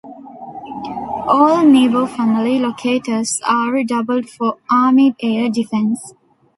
All Nebo-family locators are doubled for army air defence.